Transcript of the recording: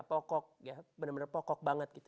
pokok benar benar pokok banget